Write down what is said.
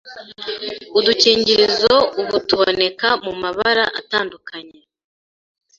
Udukingirizo ubu tuboneka mu mabara atandukanye